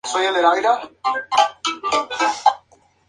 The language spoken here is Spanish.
Entrevista a Violeta Friedman.